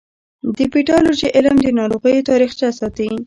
د پیتالوژي علم د ناروغیو تاریخچه ساتي.